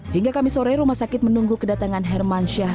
hingga kamis sore rumah sakit menunggu kedatangan herman syah